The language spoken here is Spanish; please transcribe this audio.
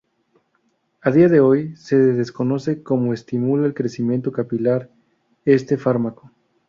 A día de hoy, se desconoce cómo estimula el crecimiento capilar este fármaco.